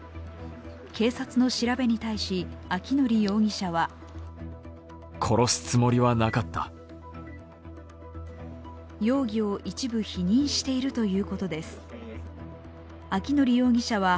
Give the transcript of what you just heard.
警察の調べに対し明典容疑者は容疑を一部否認しているということです。